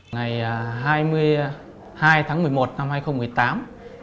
ngày hai mươi hai tháng một mươi một năm hai nghìn một mươi tám